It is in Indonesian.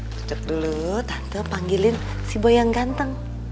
duduk dulu tante panggilin si boy yang ganteng